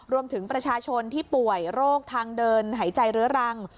รวมถึงประชาชนที่ป่วยโรคทางเดินหายใจเรื้อรัง